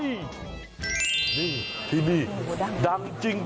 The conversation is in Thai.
นี่ที่นี่ดังจริง